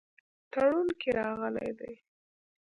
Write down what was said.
تړون کې راغلي دي.